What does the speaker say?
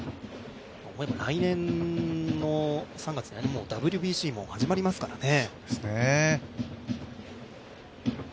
来年３月にはＷＢＣも始まりますからね。